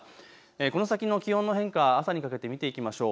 この先の気温の変化、朝にかけて見ていきましょう。